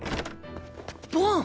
ボン！